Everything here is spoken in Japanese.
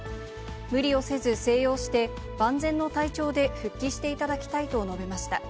無理をせず静養して、万全の体調で復帰していただきたいと述べました。